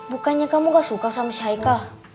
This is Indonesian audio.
bukannya kamu gak suka sama si haikal